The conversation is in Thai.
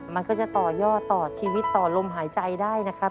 มันก็จะต่อยอดต่อชีวิตต่อลมหายใจได้นะครับ